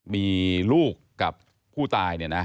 มีลูกกับผู้ตายเนี่ยนะ